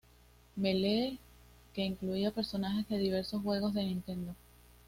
Melee", que incluía personajes de diversos juegos de Nintendo.